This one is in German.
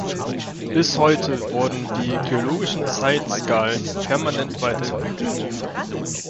Bis heute wurden die geologischen Zeitskalen permanent weiterentwickelt.